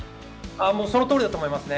そのとおりだと思いますね。